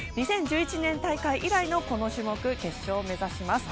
２０１１年大会以来のこの種目、決勝を目指します。